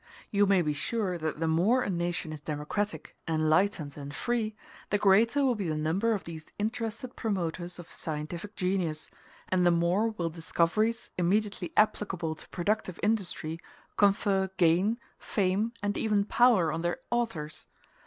You may be sure that the more a nation is democratic, enlightened, and free, the greater will be the number of these interested promoters of scientific genius, and the more will discoveries immediately applicable to productive industry confer gain, fame, and even power on their authors.